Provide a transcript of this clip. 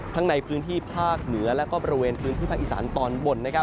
ทั้งในพื้นที่ภาคเหนือและก็ประเทศพื้นที่อิสานตอนบน